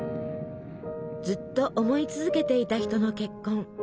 ずっと思い続けていた人の結婚。